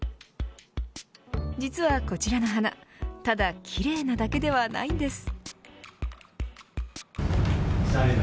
実はこちらの花ただ奇麗なだけではないんです。